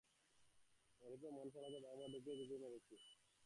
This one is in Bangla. এরূপে মন-শালাকে বারংবার ডুবিয়ে ডুবিয়ে মেরে ফেলবি।